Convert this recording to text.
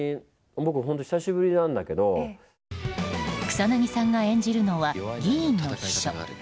草なぎさんが演じるのは議員の秘書。